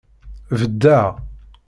Beddeɣ.